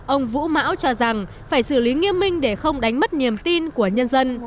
ông vũ mão cho rằng phải xử lý nghiêm minh để không đánh mất niềm tin của nhân dân